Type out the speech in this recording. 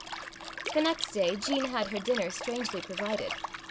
The next day Jean had her dinner strangely provided.